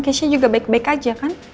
cashnya juga baik baik aja kan